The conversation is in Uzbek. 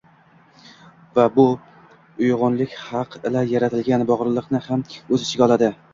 va bu uyg‘unlik haq ila yaratilgan borliqni ham o‘z ichiga oladi.